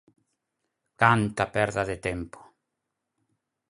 Canta perda de tempo!